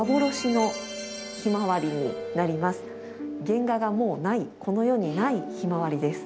原画がもうないこの世にない「ヒマワリ」です。